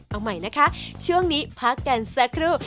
เอาใหม่นะคะช่วงนี้พักกันสักครู่